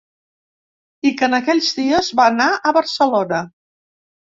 I que, en aquells dies, va anar a Barcelona.